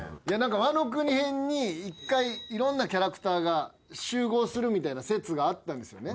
ワノ国編に一回いろんなキャラクターが集合するみたいな説があったんですよね。